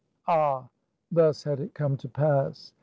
Ah ! thus had it come to pass.